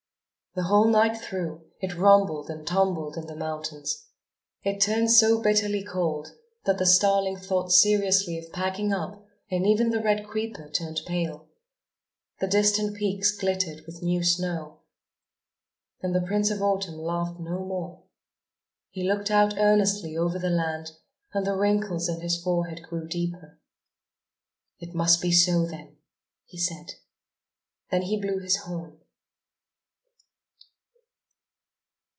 The whole night through, it rumbled and tumbled in the mountains. It turned so bitterly cold that the starling thought seriously of packing up and even the red creeper turned pale. The distant peaks glittered with new snow. And the Prince of Autumn laughed no more. He looked out earnestly over the land and the wrinkles in his forehead grew deeper. "It must be so then!" he said. Then he blew his horn.